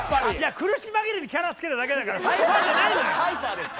苦し紛れにキャラつけただけだからサイファーじゃないのよ。